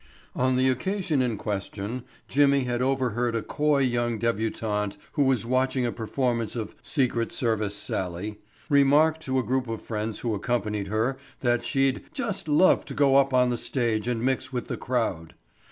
On the occasion in question, Jimmy had overheard a coy young debutante who was watching a performance of "Secret Service Sallie" remark to a group of friends who accompanied her that she'd "just love to go up on the stage and mix with the crowd."